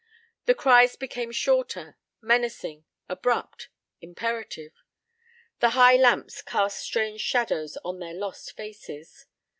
The cries became shorter, menacing, abrupt, imperative. The high lamps cast strange shadows on their lost faces.